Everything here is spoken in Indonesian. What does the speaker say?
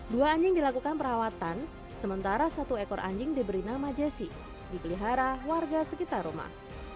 dua anjing dilakukan perawatan sementara satu ekor anjing diberi nama jessi dipelihara warga sekitar rumah